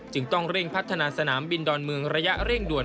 ต้องเร่งพัฒนาสนามบินดอนเมืองระยะเร่งด่วน